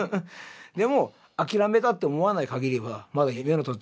でも諦めたって思わない限りはまだ夢の途中じゃん。